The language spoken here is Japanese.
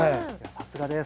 さすがです。